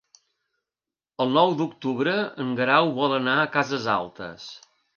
El nou d'octubre en Guerau vol anar a Cases Altes.